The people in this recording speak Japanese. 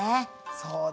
そうだ。